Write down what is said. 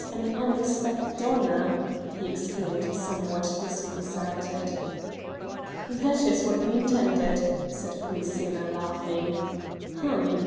An unexpected honor!" he exclaimed somewhat disconcerted. "That is what we intended," said Polyxena laughing. "Hum!